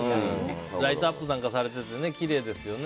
ライトアップなんかされててきれいですよね。